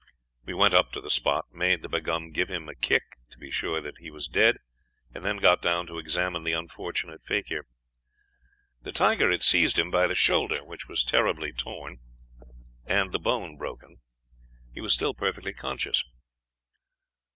"We went up to the spot, made the Begaum give him a kick, to be sure that he was dead, and then got down to examine the unfortunate fakir. The tiger had seized him by the shoulder, which was terribly torn, and the bone broken. He was still perfectly conscious.